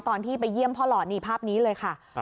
ตอนที่ไปเยี่ยมพ่อหลอดนี่ภาพนี้เลยค่ะ